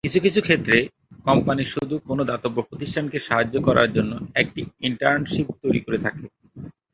কিছু কিছু ক্ষেত্রে, কোম্পানি শুধু কোন দাতব্য প্রতিষ্ঠানকে সাহায্য করার জন্য একটি ইন্টার্নশীপ তৈরি করে থাকে।